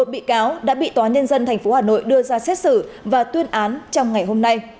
một mươi bị cáo đã bị tòa nhân dân tp hà nội đưa ra xét xử và tuyên án trong ngày hôm nay